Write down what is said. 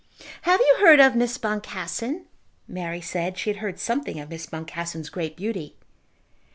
"Have you heard of Miss Boncassen?" Mary said she had heard something of Miss Boncassen's great beauty.